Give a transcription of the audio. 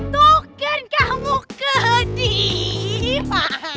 tuh kan kamu kedip